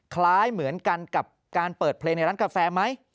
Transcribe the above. คล้ายเหมือนกันกับการเปิดเพลงในร้านกาแฟไหม